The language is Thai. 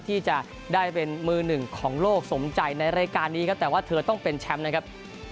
ที่จะได้เป็นมือหนึ่งของโลกสมใจในรายการนี้ครับแต่ว่าเธอต้องเป็นแชมป์นะครับ